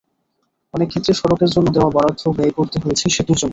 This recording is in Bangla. অনেক ক্ষেত্রে সড়কের জন্য দেওয়া বরাদ্দ ব্যয় করতে হয়েছে সেতুর জন্য।